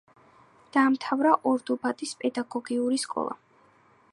დაამთავრა ორდუბადის პედაგოგიური სკოლა.